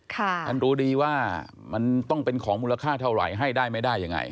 ท่านรู้ดีว่ามันต้องเป็นของมูลค่าเท่าไหร่ให้ได้ไม่ได้ยังไง